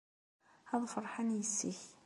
Ad ferḥen yes-k.